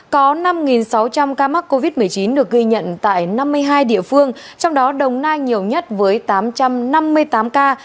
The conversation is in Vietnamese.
có năm sáu trăm linh ca mắc covid một mươi chín được ghi nhận tại năm mươi hai địa phương trong đó đồng nai nhiều nhất với tám trăm năm mươi tám ca